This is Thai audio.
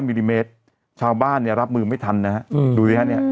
มิลลิเมตรชาวบ้านเนี่ยรับมือไม่ทันนะฮะดูสิฮะเนี่ย